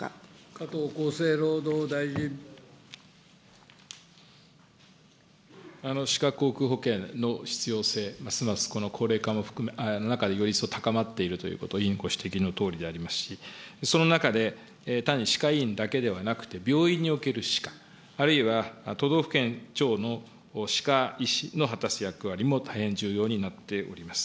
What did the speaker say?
加藤厚生労働大臣。歯科口腔保険の必要性、ますます高齢化の中で、より一層高まっているということ、委員ご指摘のとおりでありますし、その中で、単に歯科医院だけではなくて、病院における歯科、あるいは都道府県ちょうの歯科医師の果たす役割も大変重要になっております。